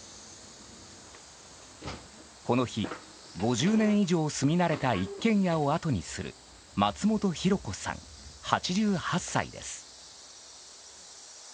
この日、５０年以上住み慣れた一軒家をあとにする松本広子さん、８８歳です。